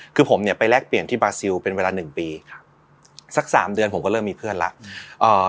คือผมไปแลกเปลี่ยนที่บาซิลเป็นเวลา๑ปีสัก๓เดือนผมก็เริ่มมีเพื่อนแล้ว